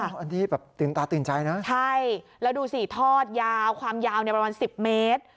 อันนี้แบบตื่นตาตื่นใจนะใช่แล้วดูสิทอดยาวความยาวเนี่ยประมาณ๑๐เมตร